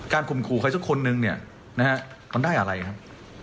การขุมขู่ใครสักคนนึงเนี่ยมันได้อะไรครับ